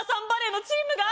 バレーのチーム！